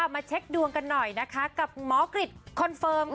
มาเช็คดวงกันหน่อยนะคะกับหมอกริจคอนเฟิร์ม